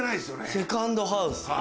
セカンドハウス。